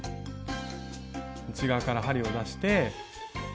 内側から針を出して。